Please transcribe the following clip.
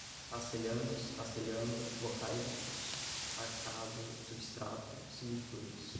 castelhanos, castelhano, vocáilicos, marcado substrato, similitudes